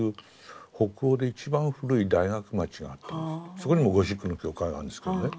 そこにもゴシックの教会があるんですけどね。